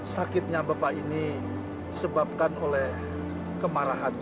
sakitnya bapak ini disebabkan oleh kemarahan